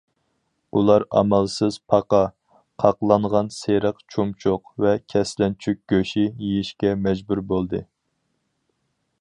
ئۇلار ئامالسىز پاقا، قاقلانغان سېرىق چۇمچۇق ۋە كەسلەنچۈك گۆشى يېيىشكە مەجبۇر بولدى.